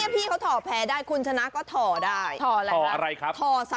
ไม่ใช่คุณจะล่องอะไรลงทะเล